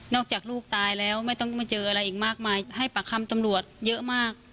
อกจากลูกตายแล้วไม่ต้องมาเจออะไรอีกมากมายให้ปากคำตำรวจเยอะมาก